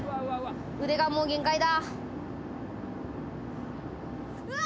腕がもう限界だうわ！